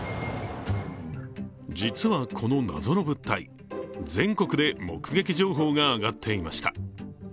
実は、この謎の物体、全国で目撃情報が上がっていました。